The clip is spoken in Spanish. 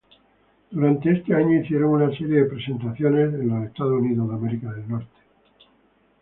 Durante este año hicieron una serie de presentaciones en estados unidos.